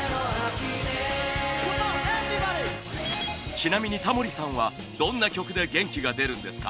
ちなみにタモリさんはどんな曲で元気が出るんですか？